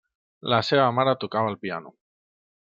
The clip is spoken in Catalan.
La seva mare tocava el piano.